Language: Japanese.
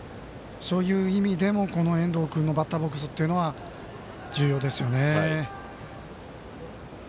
そういう意味でも遠藤君のバッターボックスというのは重要ですよね。